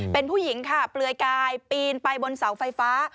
เป็นผู้หญิงค่ะเปลือยกายปีนไปบนเสาไฟฟ้า